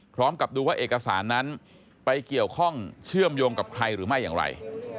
พร้อมกับดูว่าเอกสารนั้นไปเกี่ยวข้องเชื่อมโยงกับใครหรือไม่อย่างไร